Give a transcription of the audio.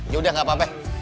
yaudah gak apa apa